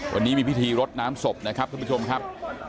วันนี้มีพิธีรดน้ำศพนะครับท่านผู้ชมครับ